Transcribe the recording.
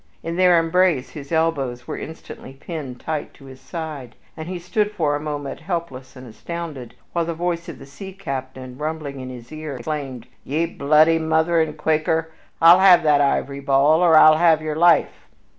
In their embrace his elbows were instantly pinned tight to his side, and he stood for a moment helpless and astounded, while the voice of the sea captain, rumbling in his very ear, exclaimed, "Ye bloody, murthering Quaker, I'll have that ivory ball, or I'll have your life!"